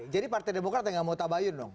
jadi partai demokrat yang gak mau tabayun dong